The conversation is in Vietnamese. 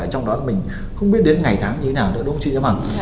trong đó mình không biết đến ngày tháng như thế nào nữa đúng không chị giang hằng